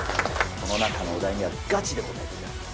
この中のお題にはガチで答えていただきます。